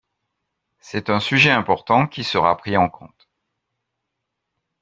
C’est un sujet important qui sera pris en compte.